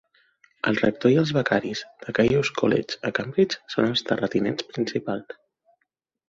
El rector i els becaris de Caius College, a Cambridge, són els terratinents principals.